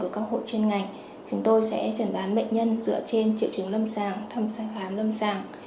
khoa sương khớp bệnh viện đặc hoa tâm anh thì chúng tôi sẽ chẩn đoán bệnh nhân dựa trên triệu chứng lâm sàng thăm sàng khám lâm sàng